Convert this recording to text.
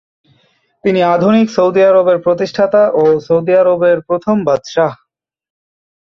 তিনি আধুনিক সৌদি আরবের প্রতিষ্ঠাতা ও সৌদি আরবের প্রথম বাদশাহ।